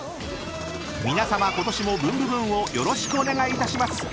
［皆さまことしも『ブンブブーン！』をよろしくお願いいたします］